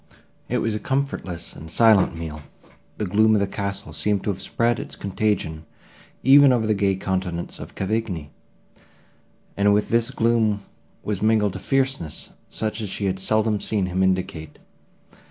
It was a comfortless and silent meal. The gloom of the castle seemed to have spread its contagion even over the gay countenance of Cavigni, and with this gloom was mingled a fierceness such as she had seldom seen him indicate.